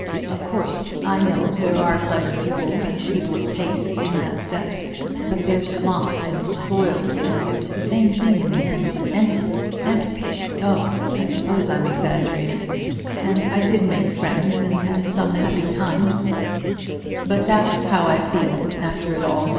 Of course I know there are clever people and people of taste in that set, but they're swamped and spoiled, and it's the same thing in the end empty, empty! Oh! I suppose I'm exaggerating, and I did make friends and have some happy times; but that's how I feel after it all.